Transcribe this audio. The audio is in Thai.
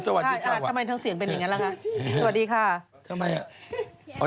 จากธนาคารกรุงเทพฯ